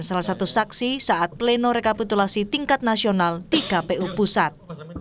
salah satu saksi saat pleno rekapitulasi tingkat nasional di kpu pusat